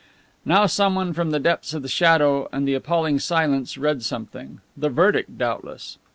Now someone from the depths of the shadow and the appalling silence read something; the verdict, doubtless.